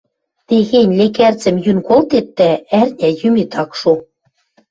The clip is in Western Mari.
Техень лекӓрцӹм йӱн колтет, дӓ ӓрня йӱмет ак шо.